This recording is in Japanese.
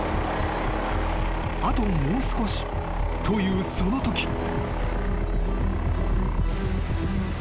［あともう少しというそのとき］